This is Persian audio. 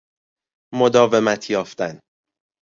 مداومت یافتن